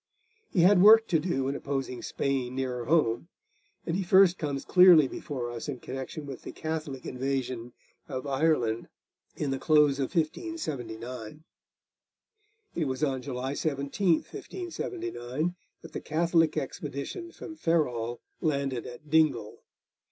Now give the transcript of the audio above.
He had work to do in opposing Spain nearer home, and he first comes clearly before us in connection with the Catholic invasion of Ireland in the close of 1579. It was on July 17, 1579, that the Catholic expedition from Ferrol landed at Dingle.